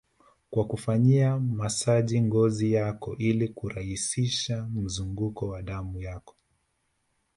kwa kufanyia masaji ngozi yako ili kurahisisha mzunguko wa damu yako